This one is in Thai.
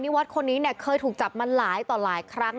วัดคนนี้เนี่ยเคยถูกจับมาหลายต่อหลายครั้ง